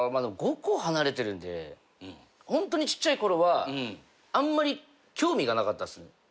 ５個離れてるんでホントにちっちゃいころはあんまり興味がなかったっすね。